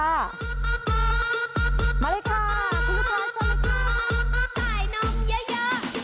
มาเลยค่ะคุณผู้ชมชอบเลยค่ะ